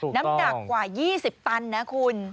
น้ำหนักกว่า๒๐ตันนะคุณ